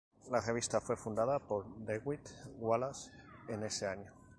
La revista fue fundada por Dewitt Wallace en ese año.